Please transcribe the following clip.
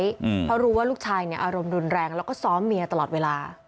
เพราะรู้ว่าลูกชายเนี่ยอารมณ์รุนแรงแล้วก็ซ้อมเมียตลอดเวลา